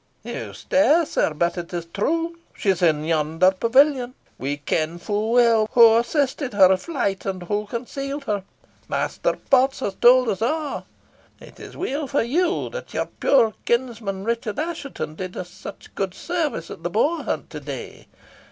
You stare, sir; but it is true. She is in yonder pavilion. We ken fu' weel wha assisted her flight, and wha concealed her. Maister Potts has told us a'. It is weel for you that your puir kinsman, Richard Assheton, did us sic gude service at the boar hunt to day.